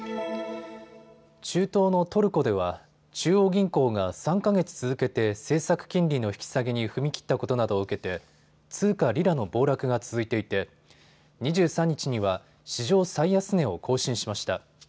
中東のトルコでは中央銀行が３か月続けて政策金利の引き下げに踏み切ったことなどを受けて通貨リラの暴落が続いていて２３日には史上最安値を更新しました。